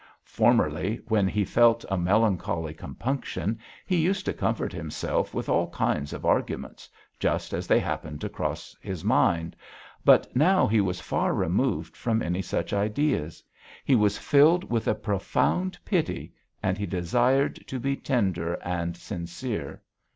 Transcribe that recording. Formerly, when he felt a melancholy compunction, he used to comfort himself with all kinds of arguments, just as they happened to cross his mind, but now he was far removed from any such ideas; he was filled with a profound pity, and he desired to be tender and sincere....